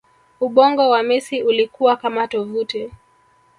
ubongo wa Messi ulikuwa kama tovuti